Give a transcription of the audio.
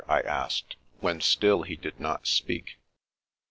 '' I asked, when still he did not speak.